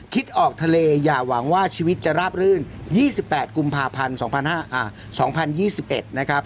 ออกทะเลอย่าหวังว่าชีวิตจะราบรื่น๒๘กุมภาพันธ์๒๐๒๑นะครับ